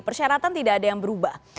persyaratan tidak ada yang berubah